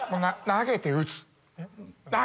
投げて打つ！